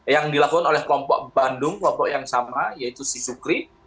yang dilakukan oleh kelompok bandung kelompok yang sama yaitu sisukri